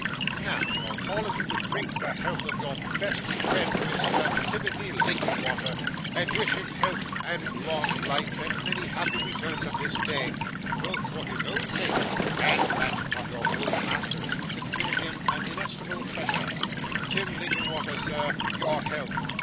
Now, you're all of you to drink the health of your best friend Mr. Timothy Linkinwater, and wish him health and long life and many happy returns of this day, both for his own sake and that of your old masters, who consider him an inestimable treasure. Tim Linkinwater, sir, your health.